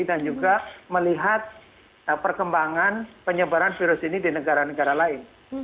dan juga melihat perkembangan penyebaran virus ini di negara negara lain